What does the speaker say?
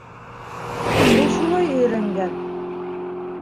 Ул шулай өйрәнгән.